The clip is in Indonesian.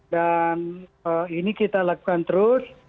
dan ini kita lakukan terus